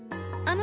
あ？